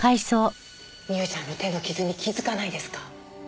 未歩ちゃんの手の傷に気づかないですか？